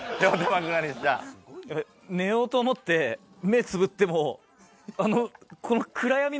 寝ようと思って目つぶっても。